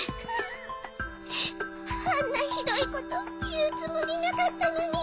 あんなひどいこというつもりなかったのに。